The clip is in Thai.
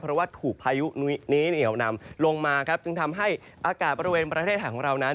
เพราะว่าถูกพายุนี้เหนียวนำลงมาครับจึงทำให้อากาศบริเวณประเทศไทยของเรานั้น